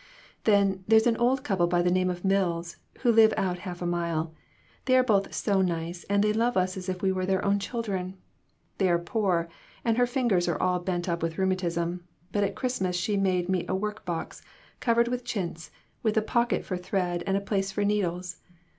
Then, there's an old couple by the name of Mills, who live out half a mile. They are both so nice, and they love us as if we were their own children. They are poor, and her fin gers are all bent up with rheumatism, but at Christmas she made me a work box, covered with chintz, with a pocket for thread and a place for needles.